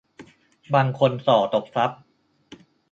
บางคนส่อตบทรัพย์